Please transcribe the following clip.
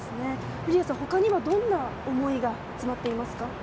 リリアさん、他にはどんな思いが詰まっていますか？